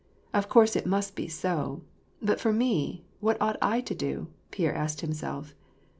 Of course it must be so. But for me, what ought I to do ?" Pierre asked himself.